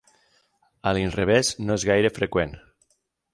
A l'inrevés no és gaire freqüent.